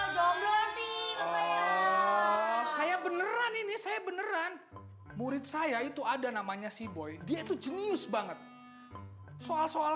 jam lagi saya beneran ini saya beneran murid saya itu ada namanya si boy dia tuh jenius banget soal soal